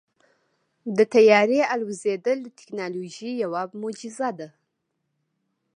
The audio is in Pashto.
د طیارې الوزېدل د تیکنالوژۍ یوه معجزه ده.